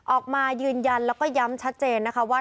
ออกมายืนยันแล้วก็ย้ำชัดเจนนะคะว่า